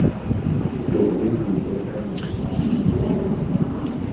Dɔʼ wee wuu dɔɔ ɓay maa caa pel.